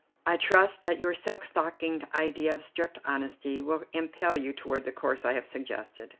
I trust that your silk stockinged idea of strict honesty will impel you toward the course I have suggested."